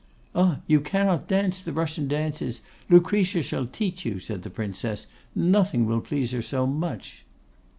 'Ah! you cannot dance the Russian dances! Lucretia shall teach you,' said the Princess; 'nothing will please her so much.